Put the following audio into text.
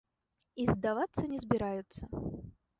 І здавацца не збіраюцца.